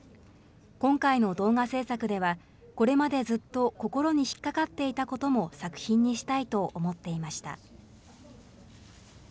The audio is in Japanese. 今回の動画制作では、これまでずっと心に引っ掛かっていたことも作品にしたいと思っていました。